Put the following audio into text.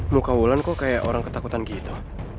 muka wulan kok kayak orang ketakutan gitu